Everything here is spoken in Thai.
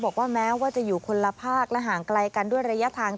บอกว่าแม้ว่าจะอยู่คนละภาคและห่างไกลกันด้วยระยะทาง